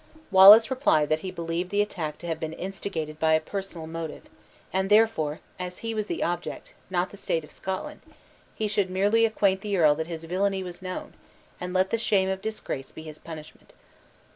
Wallace replied that he believed the attack to have been instigated by a personal motive, and therefore, as he was the object, not the state of Scotland, he should merely acquaint the earl that his villainy was known, and let the shame of disgrace be his punishment.